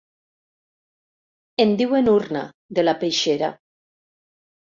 En diuen urna, de la peixera.